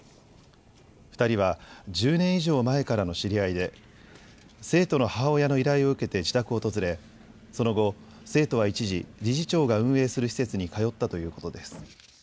２人は１０年以上前からの知り合いで生徒の母親の依頼を受けて自宅を訪れ、その後、生徒は一時、理事長が運営する施設に通ったということです。